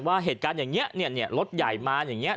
ว่าเหตุการณ์อย่างเงี้ยเนี่ยเนี่ยรถใหญ่มาอย่างเงี้ย